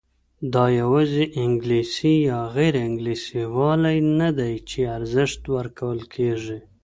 دا یوازې انګلیسي یا غیر انګلیسي والی نه دی چې ارزښت ورکول کېږي.